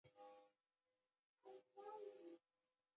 هغې د ښایسته خاطرو لپاره د سپین سپوږمۍ سندره ویله.